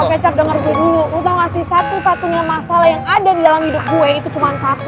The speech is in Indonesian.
kok kecap denger gue dulu lo tau gak sih satu satunya masalah yang ada di dalam hidup gue itu cuma satu